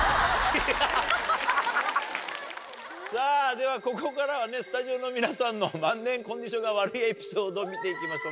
さぁではここからはねスタジオの皆さんの万年コンディションが悪いエピソード見ていきましょう。